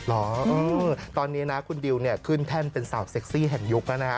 หรอตอนนี้คุณดิวขึ้นแท่นเป็นสาวเซ็กซี่แห่งยุคนะ